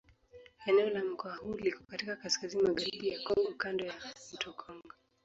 Eneo la mkoa huu liko katika kaskazini-magharibi ya Kongo kando ya mto Kongo.